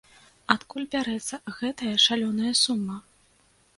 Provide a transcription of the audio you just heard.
Адкуль бярэцца гэтая шалёная сума?